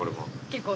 結構。